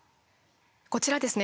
こちらですね